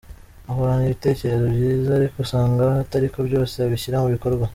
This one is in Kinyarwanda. Ahorana ibitekerezo byiza ariko usanga atariko byose abishyira mu bikorwa.